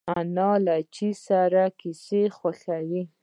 انا له چای سره کیسې خوښوي